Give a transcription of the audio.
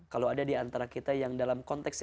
kalau ada di antara kita yang dalam konteks